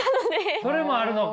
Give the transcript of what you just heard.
それもあるのか！